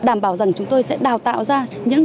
đảm bảo rằng chúng tôi sẽ đào tạo ra những